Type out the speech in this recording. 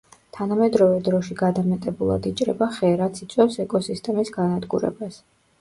თანამედროვე დროში გადამეტებულად იჭრება ხე, რაც იწვევს ეკოსისტემების განადგურებას.